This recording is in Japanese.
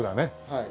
はい。